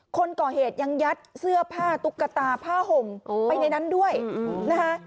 คนก่อเหตุยังยัดเสื้อผ้าตุ๊กตาผ้าห่มไปในนั้นด้วยนะคะ